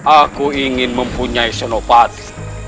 aku ingin mempunyai senopati